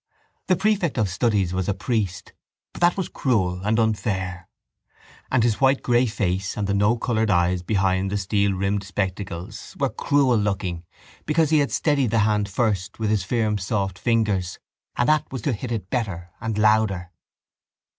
The prefect of studies was a priest but that was cruel and unfair. And his whitegrey face and the no coloured eyes behind the steel rimmed spectacles were cruel looking because he had steadied the hand first with his firm soft fingers and that was to hit it better and louder.